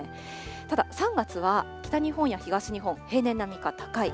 ただ３月は、北日本や東日本、平年並みか高い。